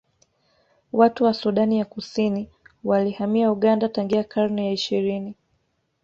Watu wa Sudani ya Kusini walihamia Uganda tangia karne ya ishirini